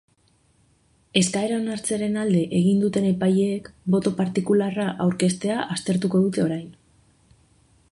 Eskaera onartzearen alde egin duten epaileek boto partikularra aurkeztea aztertuko dute orain.